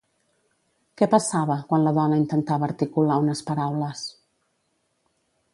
Què passava quan la dona intentava articular unes paraules?